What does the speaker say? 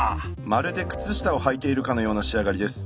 まるで靴下をはいているかのような仕上がりです。